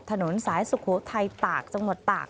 ถนนสายสุโขทัยตากจังหวัดตาก